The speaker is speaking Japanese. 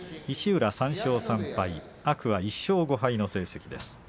石浦３勝３敗天空海、１勝５敗の成績です。